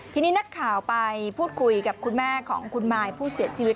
ทีนี้นักข่าวไปพูดคุยกับคุณแม่ของคุณมายผู้เสียชีวิต